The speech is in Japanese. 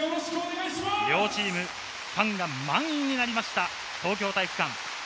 両チーム、ファンが満員になりました、東京体育館。